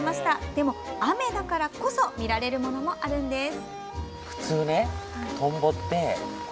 でも、雨だからこそ見られるものもあるんです。